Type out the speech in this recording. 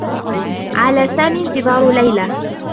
على سامي انتظار ليلى.